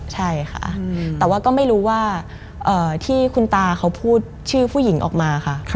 ใช่ค่ะแต่ว่าก็ไม่รู้ว่าที่คุณตาเขาพูดชื่อผู้หญิงออกมาค่ะ